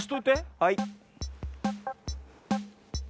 はい。